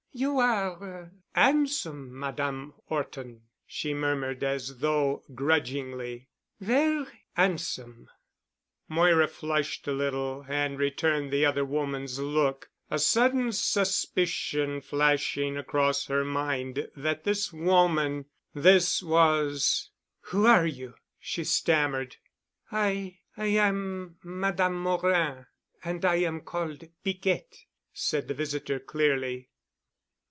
"You are 'andsome, Madame 'Orton," she murmured as though grudgingly. "Ver' 'andsome." Moira flushed a little and returned the other woman's look, a sudden suspicion flashing across her mind that this woman—this was—— "Who are you?" she stammered. "I—I am Madame Morin—and I am called Piquette," said the visitor clearly.